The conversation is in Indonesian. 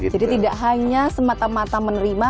jadi tidak hanya semata mata menerima